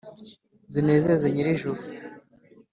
zinezeze nyirijuru.